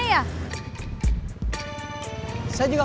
kota jawa tenggara